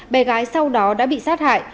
bé gái sau đó đã bị sát hại